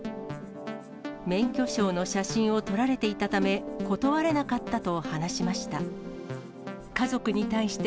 免許証の写真を撮られていたため、断れなかったと話しました。